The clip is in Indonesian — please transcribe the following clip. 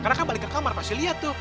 karena kan balik ke kamar pasti lihat tuh